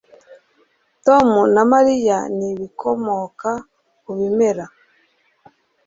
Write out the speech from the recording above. Tom na Mariya ni ibikomoka ku bimera